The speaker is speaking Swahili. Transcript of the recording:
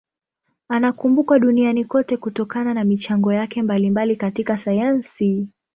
Anakumbukwa duniani kote kutokana na michango yake mbalimbali katika sayansi.